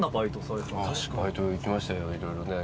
バイト行きましたよいろいろね。